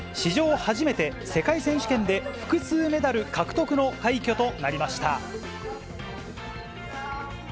初めて世界選手権で複数メダル獲得の快挙となりました。